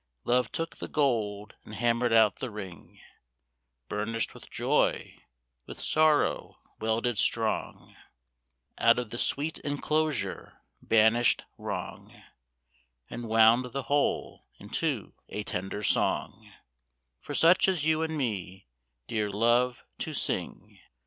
Love took the gold and hammered out the ring, Burnished with joy, with sorrow welded strong, Out of the sweet enclosure banished wrong, And wound the whole into a tender song For such as you and me, dear love, to sing.